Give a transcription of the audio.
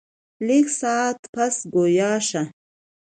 لږ ساعت پس ګویا شۀ ـ